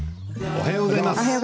おはようございます。